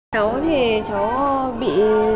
cháu thì cháu bị